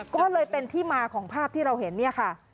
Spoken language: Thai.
ก็เลยเป็นที่มาของภาพที่เราเห็นเนี่ยค่ะ